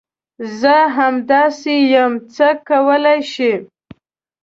زه همداسي یم ، څه کولی شې ؟